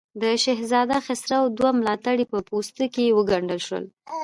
د شهزاده خسرو دوه ملاتړي په پوستکو کې وګنډل شول.